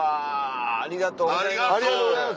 ありがとうございます。